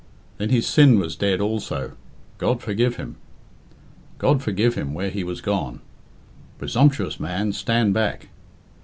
Then his sin was dead also. God forgive him! God forgive him, where he was gone! Presumptuous man, stand back.